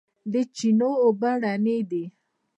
د چینو اوبه رڼې دي